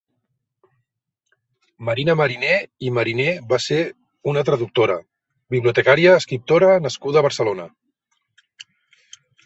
Maria Mariné i Mariné va ser una traductora, bibliotecària i escriptora nascuda a Barcelona.